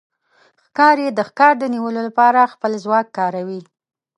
ښکاري د ښکار د نیولو لپاره خپل ځواک کاروي.